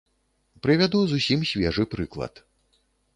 Прывяду зусім свежы прыклад.